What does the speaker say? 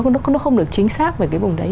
nó không được chính xác về cái vùng đấy